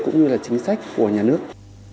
cũng như là chính sách của nhà nước